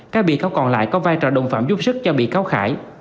các bị cáo còn lại có vai trò đồng phạm giúp sức cho bị cáo khải